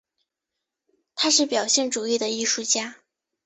他是表现主义的艺术家。